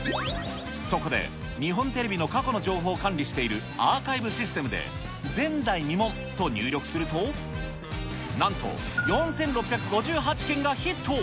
そこで日本テレビの過去の情報を管理しているアーカイブシステムで、前代未聞と入力すると、なんと４６５８件がヒット。